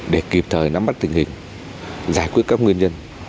để kịp thời nắm bắt tình hình giải quyết các nguyên nhân